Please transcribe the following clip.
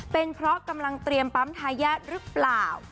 เป็นเพราะกำลังเตรียมปั๊มทายาทหรือเปล่า